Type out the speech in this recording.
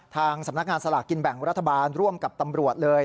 ทางสำนักงานสลากกินแบ่งรัฐบาลร่วมกับตำรวจเลย